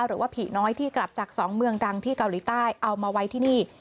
หรือว่าผีน้อยที่กลับจากสองเมืองดังที่เกาหลีใต้เอามาไว้ที่นี่